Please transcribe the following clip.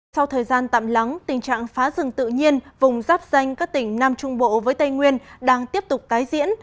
sau thời gian tạm lắng tình trạng phá rừng tự nhiên vùng rắp danh các tỉnh nam trung bộ với tây nguyên đang tiếp tục tái diễn